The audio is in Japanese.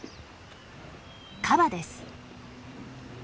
カバです。